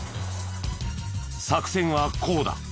作戦はこうだ。